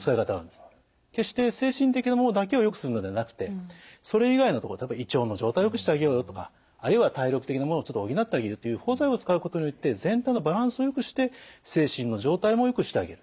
決して精神的なものだけをよくするのではなくてそれ以外のところ例えば胃腸の状態をよくしてあげようよとかあるいは体力的なものをちょっと補ってあげるという補剤を使うことによって全体のバランスをよくして精神の状態もよくしてあげる。